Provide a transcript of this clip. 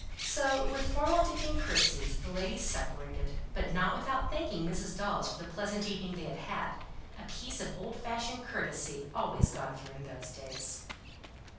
So with formal dipping curtseys the ladies separated, but not without thanking Mrs. Dawes for the pleasant evening they had had; a piece of old fashioned courtesy always gone through in those days.